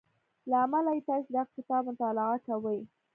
له امله يې تاسې دغه کتاب مطالعه کوئ.